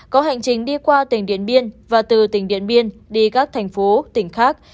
có hành trình đi qua tỉnh điện biên và từ tỉnh điện biên đi các thành phố tỉnh khác